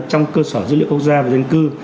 trong cơ sở dữ liệu quốc gia về dân cư